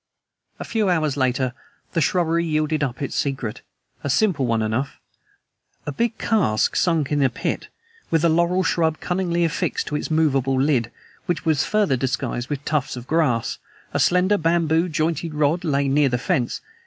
A few hours later the shrubbery yielded up its secret, a simple one enough: A big cask sunk in a pit, with a laurel shrub cunningly affixed to its movable lid, which was further disguised with tufts of grass. A slender bamboo jointed rod lay near the fence.